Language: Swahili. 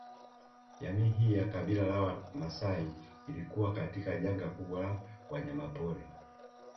Jamii hii ya kabila la Wamaasai ilikuwa katika janga kubwa la wanyama pori